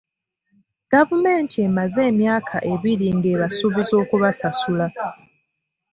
Gavumenti emaze emyaka ebiri ng'ebasuubiza okubasasula.